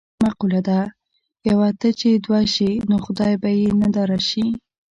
مقوله ده: یوه ته چې دوه شي نو خدای یې په ننداره شي.